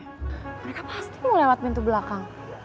mereka pasti mau lewat pintu belakang